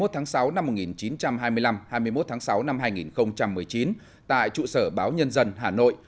hai mươi tháng sáu năm một nghìn chín trăm hai mươi năm hai mươi một tháng sáu năm hai nghìn một mươi chín tại trụ sở báo nhân dân hà nội